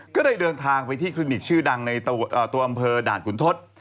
ก็เลยเดินทางไปที่คลินิกชื่อดังในตัวอำเภอด่านขุนทศ